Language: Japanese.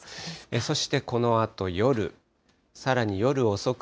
そしてこのあと夜、さらに夜遅く